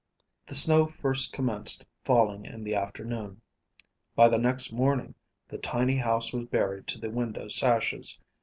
The snow first commenced falling in the afternoon. By the next morning the tiny house was buried to the window sashes.